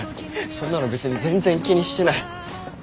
そんなの別に全然気にしてない。